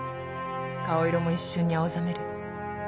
顔色も一瞬に青ざめる。